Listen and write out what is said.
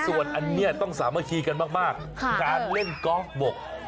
ส่วนอันนี้ต้องสามัคคีกันมากการเล่นกอล์ฟบก